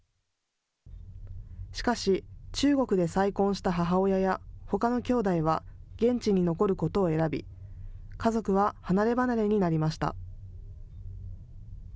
しかし中国で再婚した母親やほかのきょうだいは現地に残ることを選び家族は離れ離れになりました。